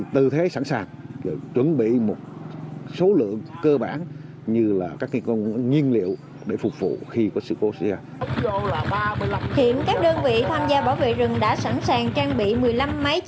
đã sẵn sàng trang bị một mươi năm máy chữa cháy